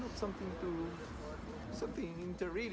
jadi saya ingin mencoba sesuatu yang sangat menarik